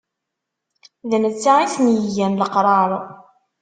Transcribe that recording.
D netta i sen-igan leqrar.